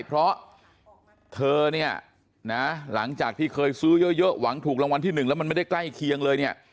เพราะเธอเนี่ยนะหลังจากที่เคยซื้อเยอะหวังถูกรางวัลที่๑แล้วมันไม่ได้ใกล้เคียงเลยเนี่ย